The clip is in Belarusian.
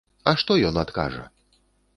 А што ён адкажа?